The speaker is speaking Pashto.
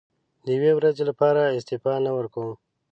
د یوې ورځې لپاره استعفا نه ورکووم.